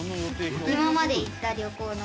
今まで行った旅行の。